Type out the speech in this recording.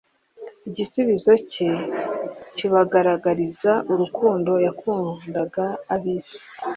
Igisubizo cye kibagaragariza urukundo yakundaga ab'isi,